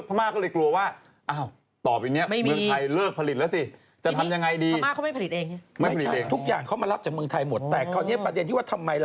พระม่าก็เลยกลัวว่าต่อไปนี้เมืองไทยเลิกผลิตแล้วสิ